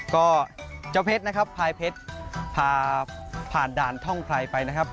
ก็เจ้าเพชรนะครับพายเพชรพาผ่านด่านท่องไพรไปนะครับ